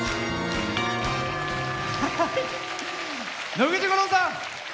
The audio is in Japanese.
野口五郎さん。